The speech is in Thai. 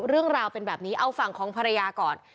เรื่องราวเป็นแบบนี้เอาฝั่งของภรรยาก่อน